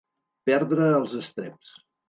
Perdre els estreps.